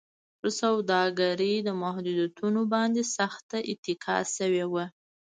پر سوداګرۍ د محدودیتونو باندې سخته اتکا شوې وه.